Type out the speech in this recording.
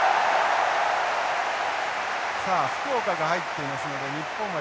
さあ福岡が入っていますので日本は